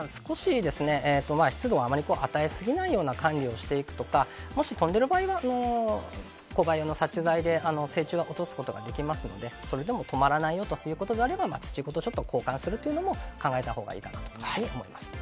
湿度を与えすぎないような管理をするとかもし飛んでいる場合はコバエ用の殺虫剤で成虫を落とすことができるのでそれでも止まらないよという場合は土ごと交換するのも考えたほうがいいかなと思います。